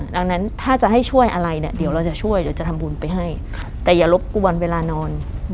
ดังนั้นถ้าจะให้ช่วยอะไรเนี่ยเดี๋ยวเราจะช่วยเดี๋ยวจะทำบุญไปให้แต่อย่ารบกวนเวลานอน